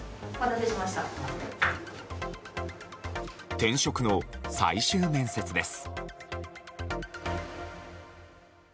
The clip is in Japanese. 転職の最終面接です。